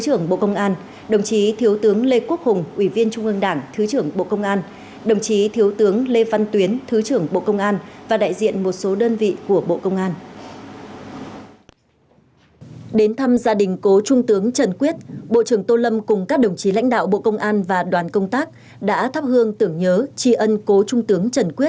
hãy đăng ký kênh để ủng hộ kênh của chúng mình nhé